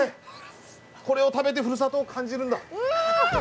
これを食べてふるさとを感じるんだ！